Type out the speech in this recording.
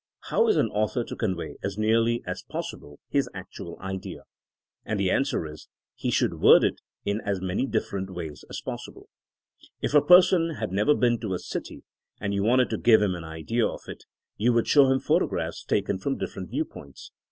How is an author to convey, as nearly as possible, his actual idea? And the answer is: he should word it in as many dif ferent ways as possible. If a person had never been to a city and you wanted to give him an idea of it, you would show him photographs taken from different viewpoints.